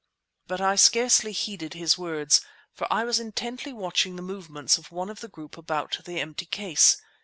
But I scarcely heeded his words, for I was intently watching the movements of one of the group about the empty case.